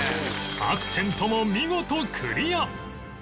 アクセントも見事クリア！